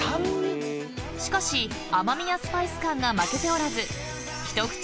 ［しかし甘味やスパイス感が負けておらず］